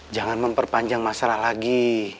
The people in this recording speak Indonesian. jangan memperpanjang masalah lagi